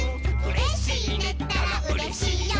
「うれしいねったらうれしいよ」